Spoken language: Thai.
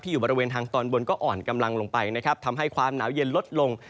อยู่บริเวณทางตอนบนก็อ่อนกำลังลงไปนะครับทำให้ความหนาวเย็นลดลง